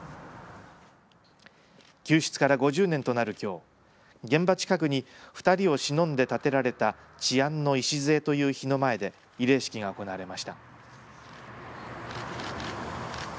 救出から５０年となるきょう現場近くに２人をしのんで建てられた治安の礎という碑の前で慰霊式が行われました。